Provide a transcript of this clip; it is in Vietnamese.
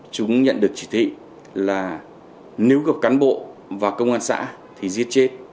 chúng nhận được chỉ thị là nếu gặp cán bộ và công an xã thì giết chết